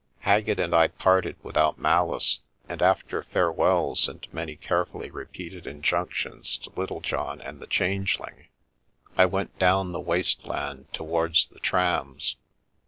Haggett and I parted without malice, and after fare wells and many carefully repeated injunctions to Little john and the Changeling, I went down the waste land towards the trams.